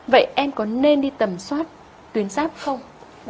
vậy em có nên đi tầm soát tuyến sáp không